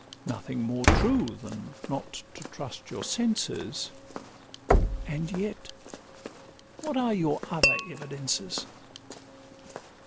Nothing more true than not to trust your senses; And yet what are your other evidences?